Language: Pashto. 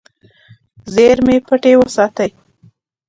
زیرمې پټې وساتې.